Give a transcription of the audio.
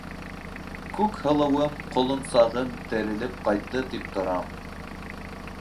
Күкһылыуым, ҡолонсағым, терелеп ҡайтты тип торам!..